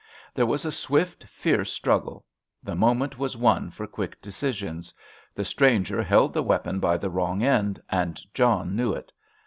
There was a swift, fierce struggle. The moment was one for quick decisions. The stranger held the weapon by the wrong end, and John knew it.